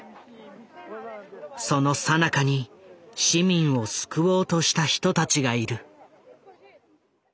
そのさなかに市民を救おうとした人たちがいる。